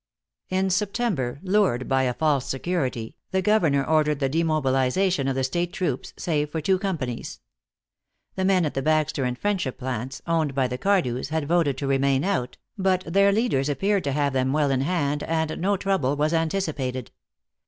In September, lured by a false security, the governor ordered the demobilization of the state troops, save for two companies. The men at the Baxter and Friendship plants, owned by the Cardews, had voted to remain out, but their leaders appeared to have them well in hand, and no trouble was anticipated.